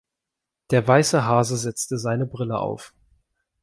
Der weiße Hase setzte seine Brille auf.